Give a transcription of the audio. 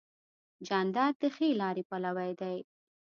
جانداد د ښې لارې پلوی دی.